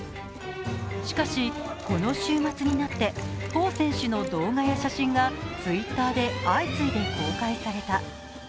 しかし、この週末になって彭選手の動画や写真がＴｗｉｔｔｅｒで相次いで公開された。